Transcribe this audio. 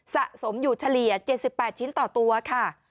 สะสมอยู่เฉลี่ย๗๘ชิ้นต่อตัวค่ะ